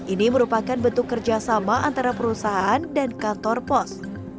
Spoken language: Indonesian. ini merupakan bentuk kerjasama antara perusahaan dan kantor pos